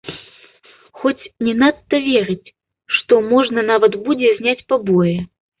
Хоць не надта верыць, што можна нават будзе зняць пабоі.